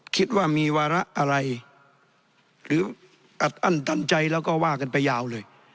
คิดว่ามีวาระอะไรหรืออัดอั้นตันใจแล้วก็ว่ากันไปยาวเลย